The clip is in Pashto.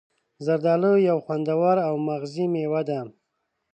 زردآلو یو خوندور او مغذي میوه ده.